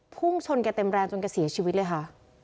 พุ่งชนแกเต็มแรงจนแกเสียชีวิตเลยค่ะ